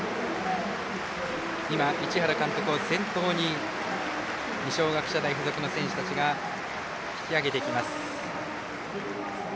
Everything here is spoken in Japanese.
市原監督を先頭に二松学舎大付属の選手たちが引き上げていきます。